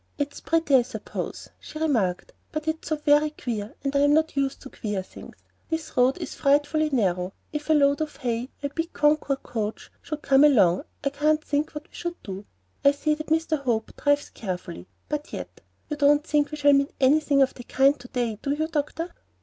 "It's pretty, I suppose," she remarked; "but it's so very queer, and I'm not used to queer things. And this road is frightfully narrow. If a load of hay or a big Concord coach should come along, I can't think what we should do. I see that Dr. Hope drives carefully, but yet You don't think we shall meet anything of the kind to day, do you, Doctor?"